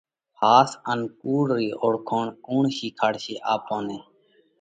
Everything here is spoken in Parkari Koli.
ۿاس ان ڪُوڙ رئِي اوۯکوڻ ڪُوڻ شِيکاڙشي آپون نئہ؟